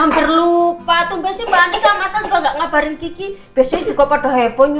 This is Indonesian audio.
siang berlupa tuh masih banget sama sama nggak ngabarin kiki biasanya juga pada hebohnya